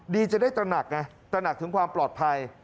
ดีจะได้ตระหนักตำนักถึงความปลอดภัย